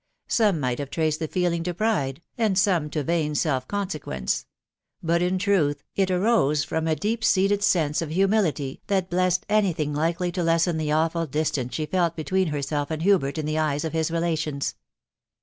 ... Some might have traced the feeling to pride, and some to Tain self consequence ; but, in truth, it arose from a deep seated sense of humility that blessed anything likely to lessen the awful distance she felt between herself and Hubert in the eyes of his relations.